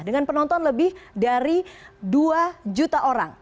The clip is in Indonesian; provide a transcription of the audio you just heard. dengan penonton lebih dari dua juta orang